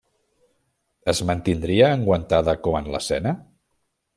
Es mantindria enguantada com en l'escena?